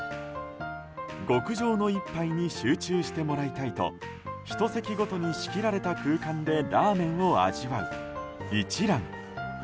極上の一杯に集中してもらいたいと１席ごとに仕切られた空間でラーメンを味わう一蘭。